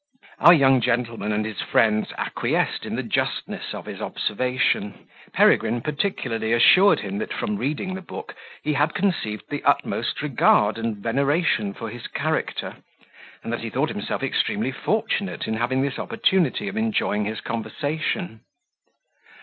Our young gentleman and his friends acquiesced in the justness of his observation. Peregrine particularly assured him that, from reading the book, he had conceived the utmost regard and veneration for his character, and that he thought himself extremely fortunate in having this opportunity of enjoying his conversation.